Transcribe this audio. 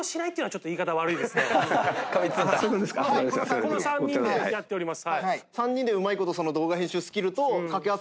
この３人でやっております。